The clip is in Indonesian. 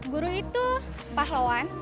guru itu pahlawan